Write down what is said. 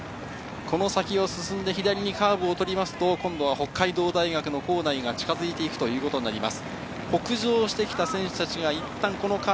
この先を進んで左にカーブを取りますと今度は北海道大学の構内が近づいていくということになります。